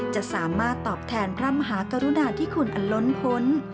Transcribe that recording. จะสามารถตอบแทนพระมหากรุณาที่คุณอันล้นพ้น